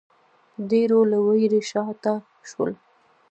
ډېرو له وېرې شا ته شول